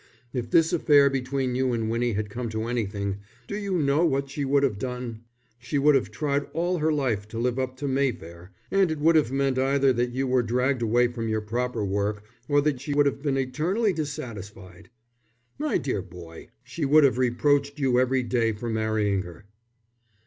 If this affair between you and Winnie had come to anything, do you know what she would have done? She would have tried all her life to live up to Mayfair, and it would have meant either that you were dragged away from your proper work, or that she would have been eternally dissatisfied. My dear boy, she would have reproached you every day for marrying her."